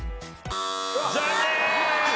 残念！